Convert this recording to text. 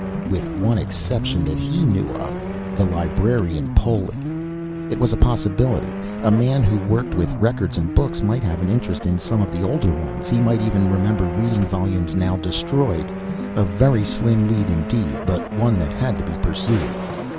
With one exception that he knew of, the librarian, Poli. It was a possibility. A man who worked with records and books might have an interest in some of the older ones. He might even remember reading volumes now destroyed. A very slim lead indeed, but one that had to be pursued.